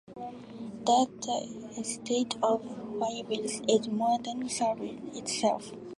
That the Estate of Wives is more than "Slavery" itself.